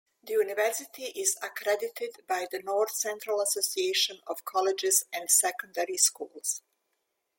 The university is accredited by the North Central Association of Colleges and Secondary Schools.